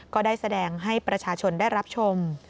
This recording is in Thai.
ก็ได้แสดงให้ประชาชนได้รับชม